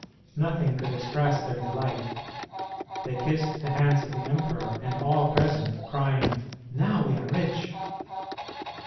Nothing could express their delight; they kissed the hands of the emperor and all present, crying, "Now we are rich!"